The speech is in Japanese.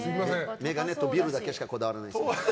眼鏡とビールだけしかこだわらないですよ。